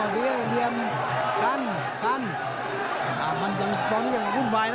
เหลี่ยเหลี่ยมกันกันมันยังตอนนี้ยังวุ่นวายนะ